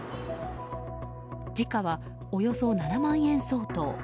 時価は、およそ７万円相当。